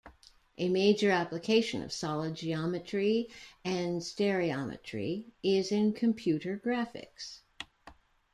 A major application of solid geometry and stereometry is in computer graphics.